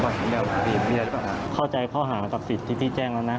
เข้าใจข้อหากับสิทธิ์ที่พี่แจ้งแล้วนะ